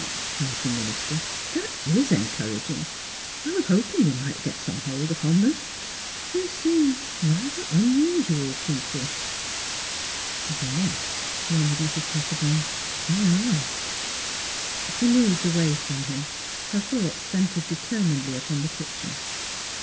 " cried the minister. '' That is en couraging. I was hoping we might get some hold 241 242 THE HEART OF PHILUEA upon them. Tliey seem — er — rather unusual people." " Yes," murmured Mrs. Pettibone, " thej^ are." She moved away from him, her thoughts cen tred determinedly upon the kitchen.